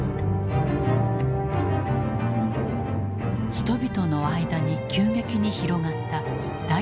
人々の間に急激に広がった大東亜共栄圏。